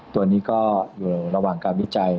ตัวนี้ก็อยู่ระหว่างการวิจัย